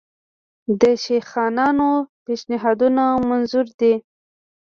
د شیخانانو پېشنهادونه منظور دي.